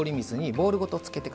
ボウルごとつける。